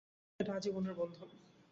এটা আজীবনের বন্ধন।